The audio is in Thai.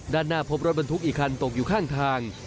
ด้านหน้าพบรถบรรทุกอีกคันตกอยู่ข้างทาง